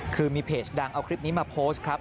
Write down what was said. คือมีเพจดังเอาคลิปนี้มาโพสต์ครับ